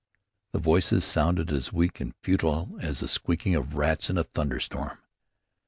The voices sounded as weak and futile as the squeaking of rats in a thunderstorm.